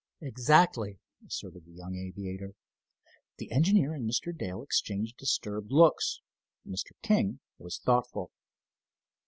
"Exactly," asserted the young aviator. The engineer and Mr. Dale exchanged disturbed looks. Mr. King was thoughtful.